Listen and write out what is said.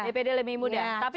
dpd lebih mudah